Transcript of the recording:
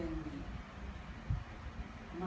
อาทิตย์ไม่ควรล่ะ